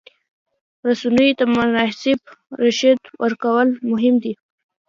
رسنیو ته مناسب رشد ورکول مهم دي.